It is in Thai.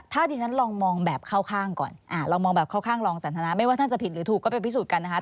ถ้าดิฉันลองมองแบบเข้าข้างก่อนลองมองแบบเข้าข้างรองสันทนาไม่ว่าท่านจะผิดหรือถูกก็ไปพิสูจน์กันนะคะ